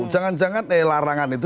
jangan jangan larangan itu